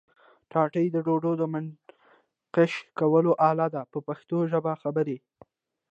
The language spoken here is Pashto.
ټاټې د ډوډۍ د منقش کولو آله ده په پښتو ژبه خبرې.